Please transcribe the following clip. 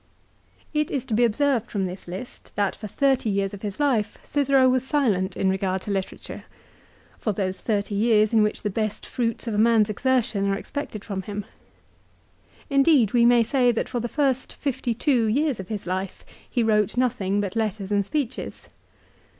It is to be observed from this list that for thirty years of his life Cicero was silent in regard to literature, for those thirty years in which the best fruits of a man's exertion are expected from him. Indeed we may say that for the first fifty two years of his life he wrote nothing but letters and speeches.